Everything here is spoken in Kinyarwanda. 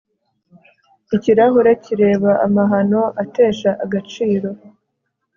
Ikirahure kireba amahano atesha agaciro